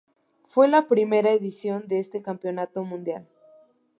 Fue la primera edición de este campeonato mundial.